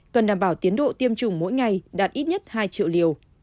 cần đảm bảo tiến độ tiêm chủng mỗi ngày đạt ít nhất hai triệu liều